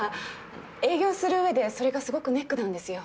営業する上でそれがすごくネックなんですよ。